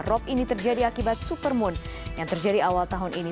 rop ini terjadi akibat supermoon yang terjadi awal tahun ini